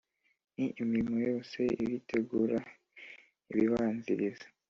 Ni imirimo yose ibitegura ibibanziriza